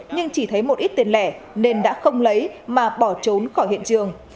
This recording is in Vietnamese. nhưng chỉ thấy một ít tiền lẻ nên đã không lấy mà bỏ trốn khỏi hiện trường